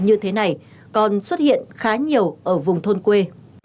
như thế này còn xuất hiện khá nhiều ở vùng thôn quê